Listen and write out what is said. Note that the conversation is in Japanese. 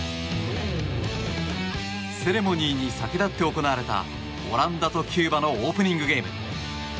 セレモニーに先立って行われたオランダとキューバのオープニングゲーム。